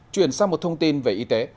chuyển sang một thông tin về y tế